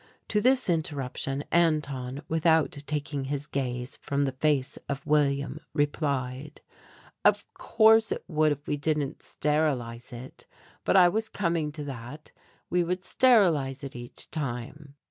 To this interruption Anton, without taking his gaze from the face of William, replied, "Of course it would if we didn't sterilize it, but I was coming to that. We would sterilize it each time."